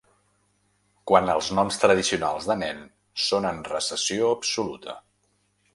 Quant als noms tradicionals de nen, són en recessió absoluta.